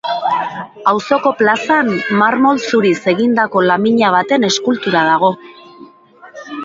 Auzoko plazan marmol zuriz egindako lamina baten eskultura dago.